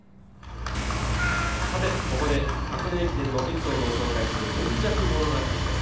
ここで箱根駅伝のエピソードを紹介する、今昔物語です。